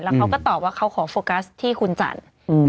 เขาก็ตอบว่าเขาขอโฟกัสที่คุณจันทร์